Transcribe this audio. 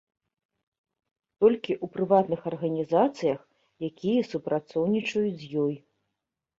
Толькі ў прыватных арганізацыях, якія супрацоўнічаюць з ёй.